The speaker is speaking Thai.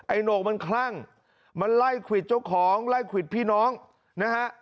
โหนกมันคลั่งมันไล่ควิดเจ้าของไล่ควิดพี่น้องนะฮะ